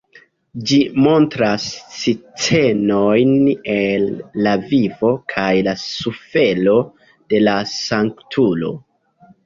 Ĝi montras scenojn el la vivo kaj la sufero de la sanktulo.